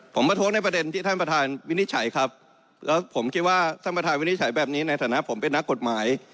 ผมประท้วงในประเด็นที่ท่านประธานวินิจฉัยครับแล้วผมคิดว่าท่านประธานวินิจฉัยแบบนี้ในฐานะผมเป็นนักกฎหมาย